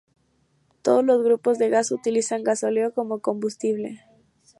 Todos los grupos de gas utilizan gasóleo como combustible.